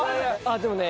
でもね